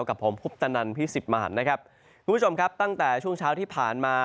กับผมคุปตนันพี่สิทธิ์มหันนะครับคุณผู้ชมครับตั้งแต่ช่วงเช้าที่ผ่านมา